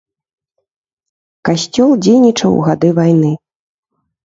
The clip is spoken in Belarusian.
Касцёл дзейнічаў у гады вайны.